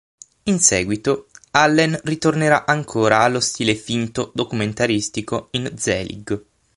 In seguito, Allen ritornerà ancora allo stile finto-documentaristico in "Zelig".